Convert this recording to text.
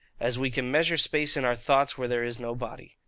As we can measure space in our thoughts where there is no body.